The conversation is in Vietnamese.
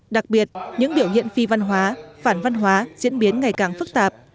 đặc biệt những biểu hiện phi văn hóa phản văn hóa diễn biến ngày càng phức tạp